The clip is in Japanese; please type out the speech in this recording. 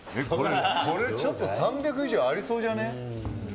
これちょっと３００以上ありそうじゃね？